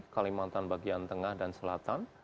kalimantan bagian tengah dan selatan